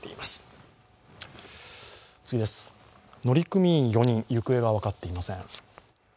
乗組員４人、行方が分かっていません。